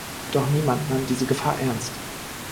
Doch niemand nahm diese Gefahr ernst.